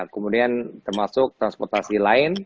kemudian termasuk transportasi lain